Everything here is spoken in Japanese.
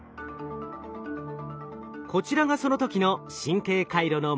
こちらがその時の神経回路の模式図。